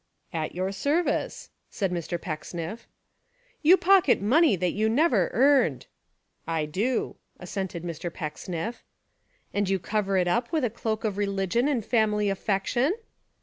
"At your service," said Mr. Pecksniff. "You pocket money that you never earned." "I do," assented Mr. Pecksniff. "And you cover It up with a cloak of religion and family affection?"